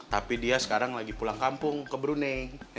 tapi dia sekarang lagi pulang kampung ke brunei